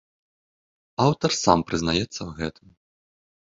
Аўтар сам прызнаецца ў гэтым.